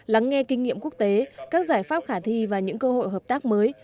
lắng nghe kinh nghiệm quốc tế các giải pháp khả thi và những cơ hội hợp tác mới